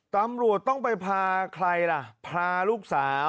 ตำรวจต้องไปพาใครละ